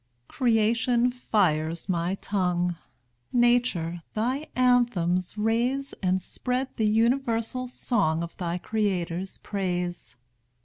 Creation fires my tongue! Nature, thy anthems raise, And spread the universal song Of thy Creator's praise.